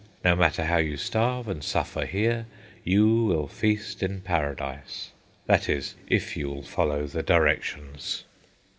No matter how you starve and suffer here, you will feast in Paradise, that is, if you will follow the directions."